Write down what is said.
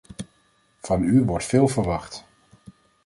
Van u wordt veel verwacht.